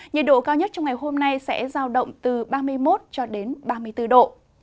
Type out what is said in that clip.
nhiệt độ cao nhất trong ngày hôm nay sẽ giao động từ ba mươi một ba mươi bốn độ